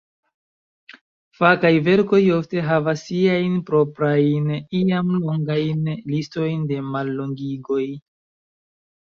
Fakaj verkoj ofte havas siajn proprajn, iam longajn, listojn de mallongigoj.